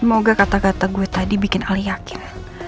semoga kata kata gue tadi bikin ali yakin